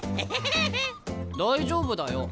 大丈夫だよ。